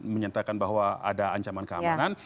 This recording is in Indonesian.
menyatakan bahwa ada ancaman keamanan